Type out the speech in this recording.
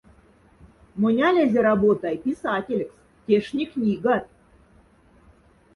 Монь алязе работай писателькс, тяшти книгат.